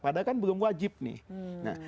padahal kan belum wajib nih